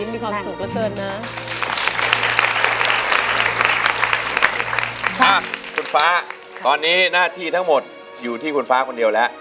มีความสุขเยอะเกินนะคุณฟ้าตอนนี้หน้าที่ทั้งหมดอยู่ที่คุณฟ้าคนเดียวแล้ว